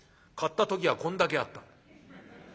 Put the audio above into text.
買った時はこんだけあった。